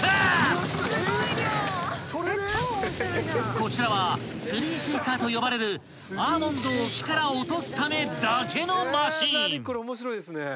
［こちらはツリーシェイカーと呼ばれるアーモンドを木から落とすためだけのマシン］